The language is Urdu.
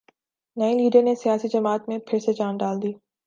نئےلیڈر نے سیاسی جماعت میں پھر سے جان ڈال دی